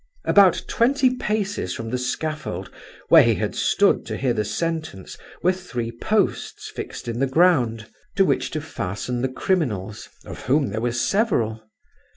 "About twenty paces from the scaffold, where he had stood to hear the sentence, were three posts, fixed in the ground, to which to fasten the criminals (of whom there were several).